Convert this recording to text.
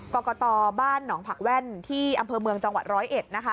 กรกตบ้านหนองผักแว่นที่อำเภอเมืองจังหวัดร้อยเอ็ดนะคะ